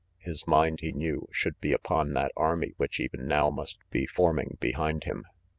His mind, he knew, should be upon that army which even now must be forming behind him.